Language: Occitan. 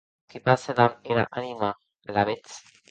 Qué passe damb era anima, alavetz?